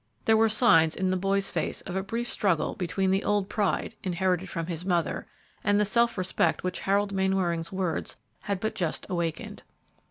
There were signs in the boy's face of a brief struggle between the old pride, inherited from his mother, and the self respect which Harold Mainwaring's words had but just awakened.